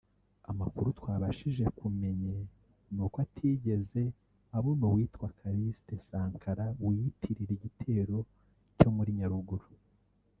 Amakuru twabashije kumenye nuko atigeze abona uwitwa Calixte Sankara wiyitirira igitero cyo muri Nyaruguru